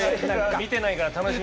見てないから楽しみ。